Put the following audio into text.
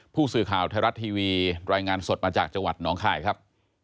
ผู้สื่อข่าวไทยรัฐทีวีรายงานสดมาจากจังหวัดหนองคายครับ